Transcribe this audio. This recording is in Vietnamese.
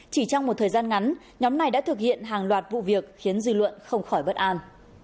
chỉ trong một thời gian ngắn nhóm này đã thực hiện hàng loạt vụ việc khiến dư luận không khỏi bất an